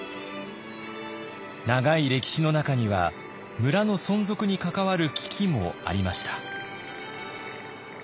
長い歴史の中には村の存続に関わる危機もありました。